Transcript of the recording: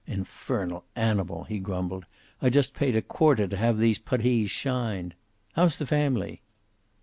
"Infernal animal!" he grumbled. "I just paid a quarter to have these puttees shined. How's the family?"